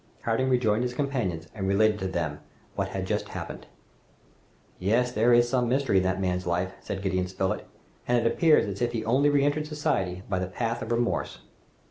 Harding rejoined his companions and related to them what had just happened. "Yes! there is some mystery in that man's life," said Gideon Spilett, "and it appears as if he had only re entered society by the path of remorse."